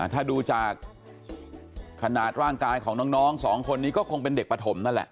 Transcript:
ถ้าดูจากขนาดร่างกายของน้องสองคนนี้ก็คงเป็นเด็กปฐมนั่นแหละ